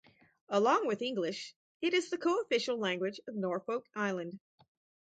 Along with English, it is the co-official language of Norfolk Island.